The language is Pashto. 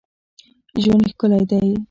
ژوند ښکلی دئ.